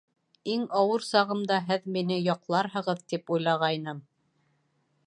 Иң ауыр сағымда һеҙ мине яҡларһығыҙ, тип уйлағайным.